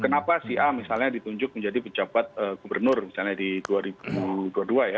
karena si a misalnya ditunjuk menjadi pejabat gubernur misalnya di dua ribu dua puluh dua ya